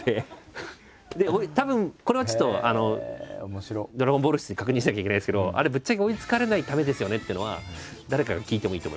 たぶんこれはちょっとドラゴンボール室に確認しなきゃいけないんですけどあれぶっちゃけ追いつかれないためですよねというのは誰かが聞いてもいいと思います。